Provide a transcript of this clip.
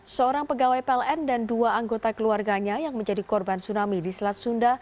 seorang pegawai pln dan dua anggota keluarganya yang menjadi korban tsunami di selat sunda